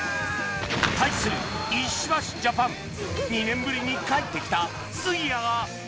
対する石橋ジャパン２年ぶりに帰ってきた杉谷が大暴れする